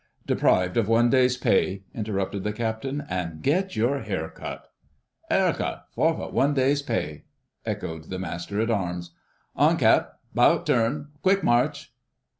"Deprived of one day's pay," interrupted the Captain; "and get your hair cut." "'Air cut—forfeit one day's pay," echoed the Master at Arms. "Hon cap; 'bout turn, quick march!"